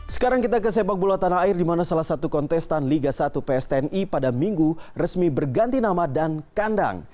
sekarang kita ke sepak bola tanah air di mana salah satu kontestan liga satu pstni pada minggu resmi berganti nama dan kandang